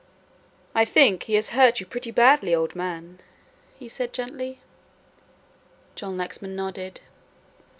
"I think he has hurt you pretty badly, old man," he said gently. John Lexman nodded.